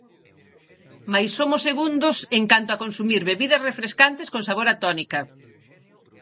Mais somos segundos en canto a consumir bebidas refrescantes con sabor a tónica.